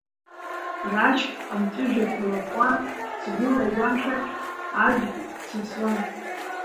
Рашьк амҵәыжәҩақәа лаҟәуан, Сгәыла игәашәаҿ аӡә дсасуан.